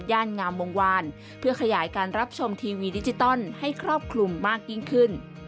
งามวงวานเพื่อขยายการรับชมทีวีดิจิตอลให้ครอบคลุมมากยิ่งขึ้น